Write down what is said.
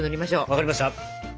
分かりました。